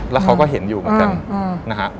แล้วเขาก็เห็นอยู่เหมือนกันนะฮะ